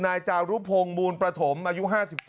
นายจารุพงศ์มูลประถมอายุ๕๗